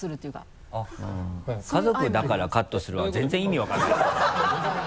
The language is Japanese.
「家族だからカットする」は全然意味分からないですけどね。